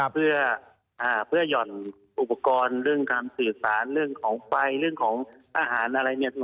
เพื่อหย่อนอุปกรณ์เรื่องการสื่อสารเรื่องของไฟเรื่องของอาหารอะไรเนี่ย